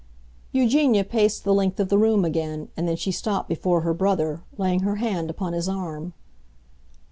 Eugenia paced the length of the room again, and then she stopped before her brother, laying her hand upon his arm.